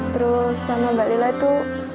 terus sama mbak lila itu